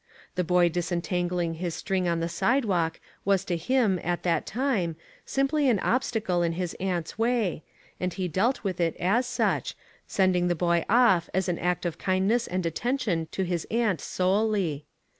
The boy disentangling his string on the sidewalk was to him, at that time, simply an obstacle in his aunt's way, and he dealt with it as such, sending the boy off as an act of kindness and attention to his aunt solely.